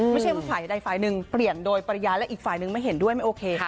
ไม่ใช่ว่าฝ่ายใดฝ่ายหนึ่งเปลี่ยนโดยปริญญาและอีกฝ่ายนึงไม่เห็นด้วยไม่โอเค